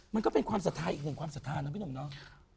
มันก็เป็นความสะท้ายอีกหนึ่งความสะท้านนะพี่หนุ่มน้อง